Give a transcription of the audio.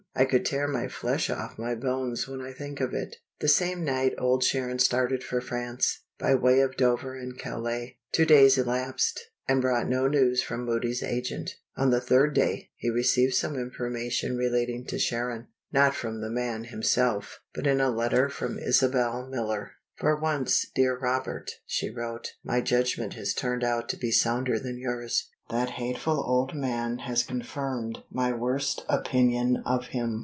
I could tear my flesh off my bones when I think of it." The same night Old Sharon started for France, by way of Dover and Calais. Two days elapsed, and brought no news from Moody's agent. On the third day, he received some information relating to Sharon not from the man himself, but in a letter from Isabel Miller. "For once, dear Robert," she wrote, "my judgment has turned out to be sounder than yours. That hateful old man has confirmed my worst opinion of him.